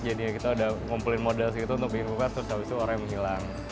jadi kita udah ngumpulin modal segitu untuk bikin kulkas terus habis itu orangnya menghilang